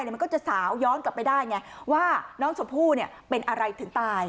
มันก็จะสาวย้อนกลับไปได้ไงว่าน้องชมพู่เป็นอะไรถึงตาย